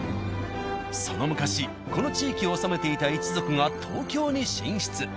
その昔この地域を治めていた一族が東京に進出。